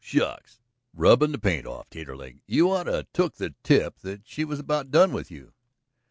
Shucks!" "Rubbin' the paint off, Taterleg. You ought 'a' took the tip that she was about done with you."